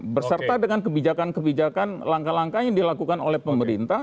berserta dengan kebijakan kebijakan langkah langkah yang dilakukan oleh pemerintah